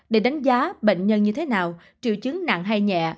để đánh giá bệnh nhân như thế nào triệu chứng nặng hay nhẹ